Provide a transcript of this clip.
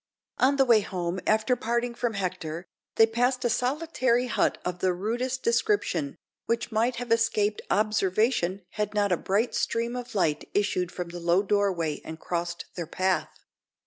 On the way home, after parting from Hector, they passed a solitary hut of the rudest description, which might have escaped observation had not a bright stream of light issued from the low doorway and crossed their path.